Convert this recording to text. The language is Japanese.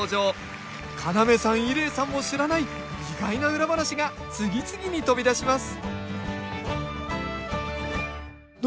要さん伊礼さんも知らない意外な裏話が次々に飛び出します！